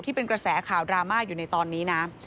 ที่เป็นกระแสข่าวดราม่าอยู่ในตอนนี้นะ